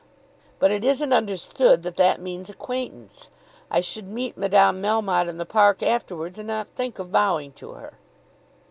But it isn't understood that that means acquaintance. I should meet Madame Melmotte in the park afterwards and not think of bowing to her."